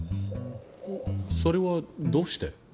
それはどうして？